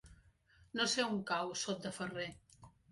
No sé on cau Sot de Ferrer.